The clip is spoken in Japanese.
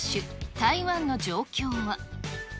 台湾の状況は。